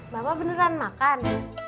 bapak beneran makan